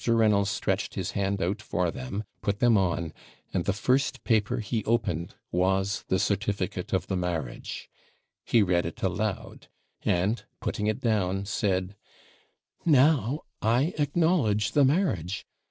Reynolds stretched his hand out for them, put them on, and the first paper he opened was the certificate of the marriage; he read it aloud, and, putting it down, said 'Now I acknowledge the marriage.